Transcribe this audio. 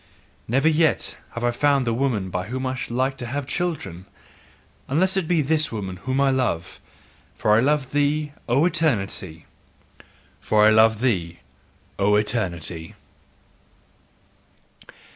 Never yet have I found the woman by whom I should like to have children, unless it be this woman whom I love: for I love thee, O Eternity! FOR I LOVE THEE, O ETERNITY!